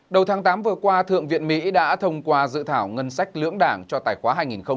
đầu tháng tám vừa qua thượng viện mỹ đã thông qua dự thảo ngân sách lưỡng đảng cho tài khoá hai nghìn hai mươi